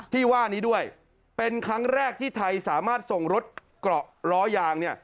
ที่ว่านี้ด้วยเป็นครั้งแรกที่ไทยสามารถส่งรถเกราะล้อยาง